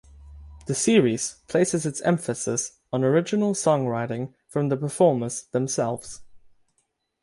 The series places its emphasis on original songwriting from the performers themselves.